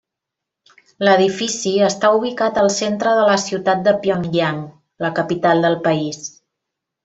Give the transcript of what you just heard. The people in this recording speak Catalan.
L'edifici està ubicat al centre de la ciutat de Pyongyang, la capital del país.